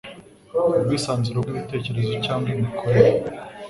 ubwisanzure bw’ibitekerezo cyangwa imikorere